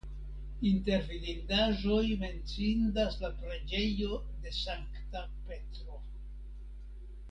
Inter vidindaĵoj menciindas la preĝejo de Sankta Petro.